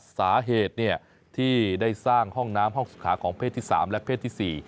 สาเหตุที่ได้สร้างห้องน้ำห้องสุขาของเพศที่๓และเพศที่๔